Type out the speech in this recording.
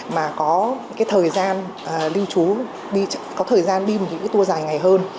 mà có thời gian lưu trú có thời gian đi một tour dài ngày hơn